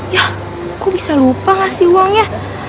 ya kok bisa lupa gak sih uangnya